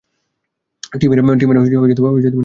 টিমের নিয়ে এসেছ।